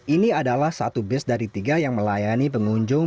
ini adalah satu bus dari tiga yang melayani pengunjung